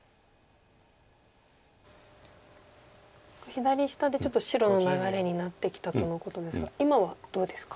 左下でちょっと白の流れになってきたとのことですが今はどうですか？